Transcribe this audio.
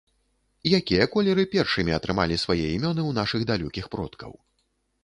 Якія колеры першымі атрымалі свае імёны ў нашых далёкіх продкаў?